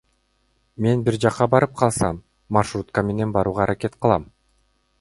Мен бир жакка барып калсам, маршрутка менен барууга аракет кылам.